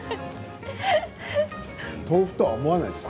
豆腐とは思わないです。